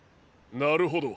なるほど。